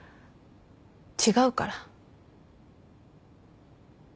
違うから。